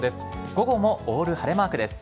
午後もオール晴れマークです。